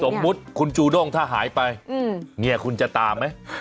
สมมติคุณจูด้องถ้าหายไปมนี่คุณจะตามมั้ย